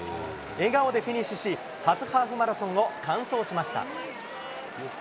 笑顔でフィニッシュし、初ハーフマラソンを完走しました。